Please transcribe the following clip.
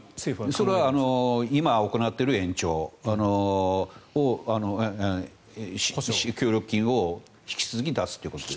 それは今行っている延長で協力金を引き続き出すということ。